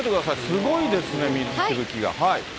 すごいですね、水しぶきが。